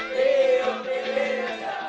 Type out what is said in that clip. tium tium diri sekarang